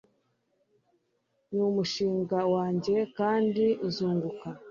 numushinga wanjye kandi uzunguka